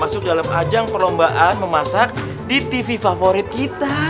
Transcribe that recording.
masuk dalam ajang perlombaan memasak di tv favorit kita